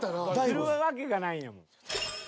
［するわけがないんやん］